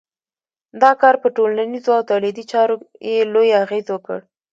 دا کار پر ټولنیزو او تولیدي چارو یې لوی اغېز وکړ.